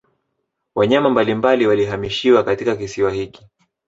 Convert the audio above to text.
Wanyama mbalimbali walihamishiwa katika kisiwa hiki